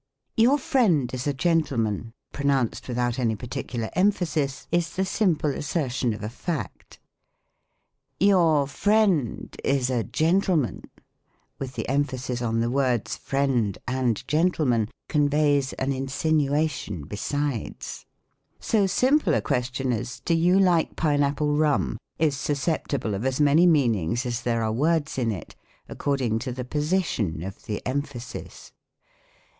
" Your friend is a gentlemen," pronounced without any particular emphasis, is the simple assertion of a fact. " Your friend is a gentleman,'' '' with the emphasis on the words " friend" and " gentleman," conveys an in sinuation besides. So simple a question as " Do you like pine apple rum ?" is susceptible of as many meanings as there are words in it ; according to the position of the em phasis.